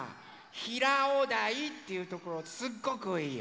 ひらおだいっていうところすっごくいいよ。